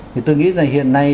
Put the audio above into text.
thì tôi nghĩ là hiện nay